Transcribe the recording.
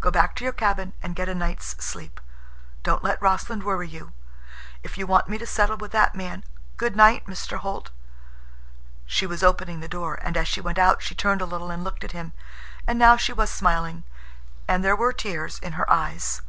Go back to your cabin and get a night's sleep. Don't let Rossland worry you. If you want me to settle with that man—" "Good night, Mr. Holt." She was opening the door. And as she went out she turned a little and looked at him, and now she was smiling, and there were tears in her eyes.